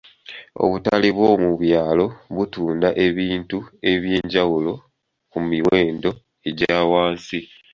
Obutale bw'omu byalo butunda ebintu eby'enjawulo ku miwendo egya wansi.